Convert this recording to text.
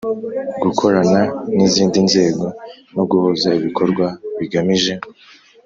Gukorana n izindi nzego no guhuza ibikorwa bigamije